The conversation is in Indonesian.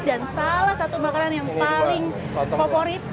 dan salah satu makanan yang paling favorit